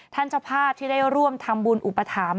เจ้าภาพที่ได้ร่วมทำบุญอุปถัมภ